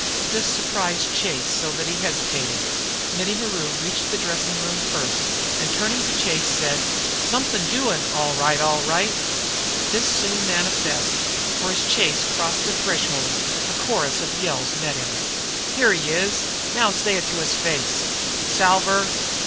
This surprised Chase so that he hesitated. Mittie Maru reached the dressing room first and turning to Chase he said; "Somethin' doin', all right, all right!" This was soon manifest, for as Chase crossed the threshold a chorus of yells met him. "Here he is now say it to his face!" "Salver!"